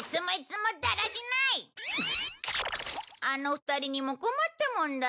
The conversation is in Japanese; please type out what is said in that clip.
あの２人にも困ったもんだ。